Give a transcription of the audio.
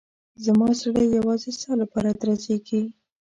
زما زړه یوازې ستا لپاره درزېږي.